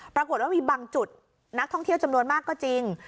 ปรากฏว่ามีบางจุดนักท่องเที่ยวจำนวนมากก็จริง